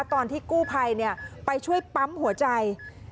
ตอนที่กู้ภัยไปช่วยปั๊มหัวใจ